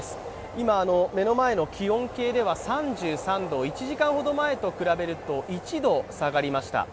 今、目の前の気温計では３３度、１時間ほど前と比べると１度下がりました。